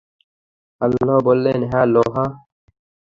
আল্লাহ বললেন, হ্যাঁ, লোহা।